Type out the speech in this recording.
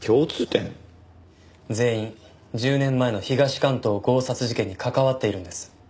全員１０年前の東関東強殺事件に関わっているんです。